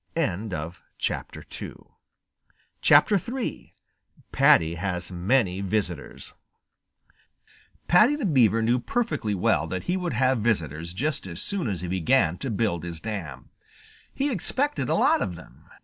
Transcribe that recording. III PADDY HAS MANY VISITORS Paddy the Beaver knew perfectly well that he would have visitors just as soon as he began to build his dam. He expected a lot of them.